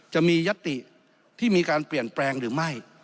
จะมียัตติที่มีการเปลี่ยนแปลงหรือไม่